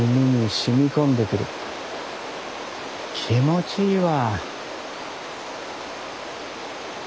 気持ちいいわ。